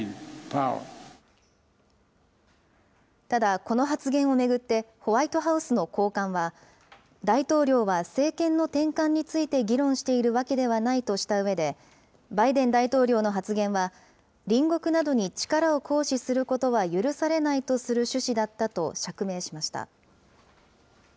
ただこの発言を巡って、ホワイトハウスの高官は、大統領は政権の転換について議論しているわけではないとしたうえで、バイデン大統領の発言は、隣国などに力を行使することは許されないとする趣旨だったと釈明しました。